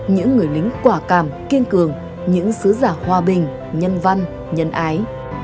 những người lính quả cảm kiên cường những sứ giả hòa bình nhân văn nhân ái